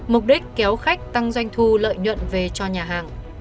mục đích kéo khách tăng doanh thu lợi nhuận về cho nhà hàng